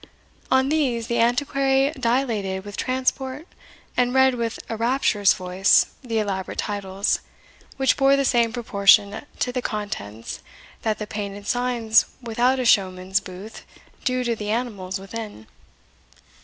On these the Antiquary dilated with transport, and read, with a rapturous voice, the elaborate titles, which bore the same proportion to the contents that the painted signs without a showman's booth do to the animals within.